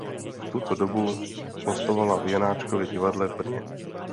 V tuto dobu hostovala v Janáčkově divadle v Brně.